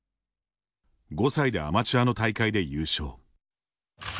５歳でアマチュアの大会で優勝。